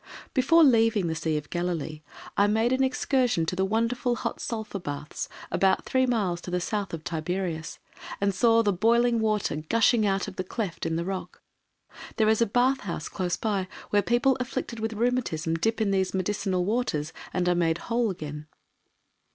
Before leaving the Sea of Galilee, I made an excursion to the wonderful hot sulphur baths, about three miles to the south of Tiberias, and saw the boiling water gushing out of the cleft in a rock. There is a bathhouse close by where people afflicted with rheumatism dip in these medicinal waters and are made whole again.